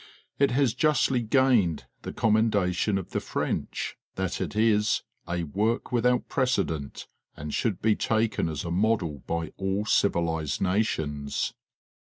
| It has justly gained the commendation of the French that it is "a work without precedent, and should be taken as a model by all civilized nations."